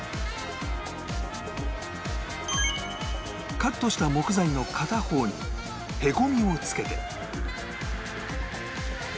カットした木材の片方にへこみをつけて